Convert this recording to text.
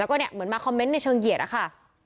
แล้วก็เนี่ยเหมือนมาคอมเมนต์ในเชิงเหยียดอะค่ะ